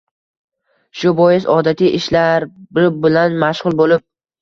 Shu bois odatiy ishlari bilan mashg‘ul bo‘lib